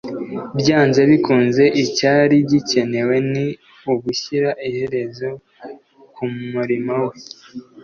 Byanze bikunze icyari gikenewe ni ugushyira iherezo ku murimo we.